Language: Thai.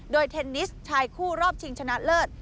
โดยเทนนิสชายคู่รอบชิงชนะเลิศ